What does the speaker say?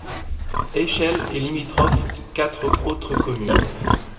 Eycheil est limitrophe de quatre autres communes.